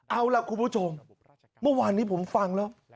เอาล่ะคุณผู้ชมเมื่อวานนี้ผมฟังแล้ว